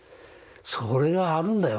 それがあるんだよ。